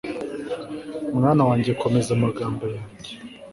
Mwana wanjye komeza amagambo yanjye